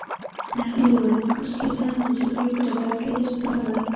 هغې وویل: کاشکې زه هم د جګړې په ډګر کي درسره وای.